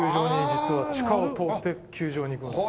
実は地下を通って球場に行くんです。